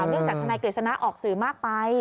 เนื่องจากทนายกฤษณะออกสื่อมากไป